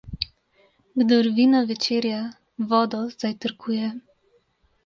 Kdor vino večerja, vodo zajtrkuje.